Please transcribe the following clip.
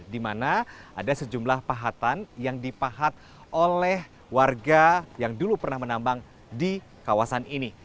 di mana ada sejumlah pahatan yang dipahat oleh warga yang dulu pernah menambang di kawasan ini